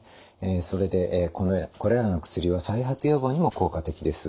それでこれらの薬は再発予防にも効果的です。